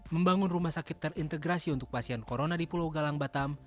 membangun rumah sakit terintegrasi untuk pasien corona di pulau galang batam